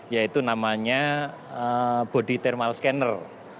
yaitu namanya body thermal scanner